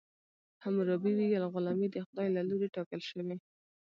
حموربي ویل غلامي د خدای له لورې ټاکل شوې.